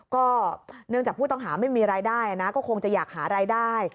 ก็เนื่องจากผู้ต้องหาไม่มีรายได้นะก็คงจะอยากหารายได้